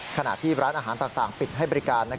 ขณะที่ร้านอาหารต่างปิดให้บริการ